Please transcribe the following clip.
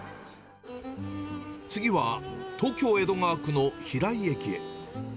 次は、東京・江戸川区の平井駅へ。